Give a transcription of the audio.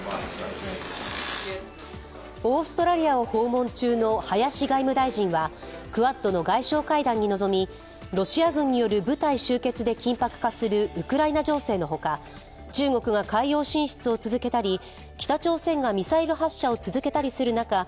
オーストラリアを訪問中の林外務大臣はクワッドの外相会談に臨みロシア軍による部隊集結で緊迫化するウクライナ情勢の他、中国が海洋進出を続けたり、